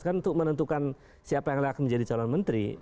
kan untuk menentukan siapa yang akan menjadi calon menteri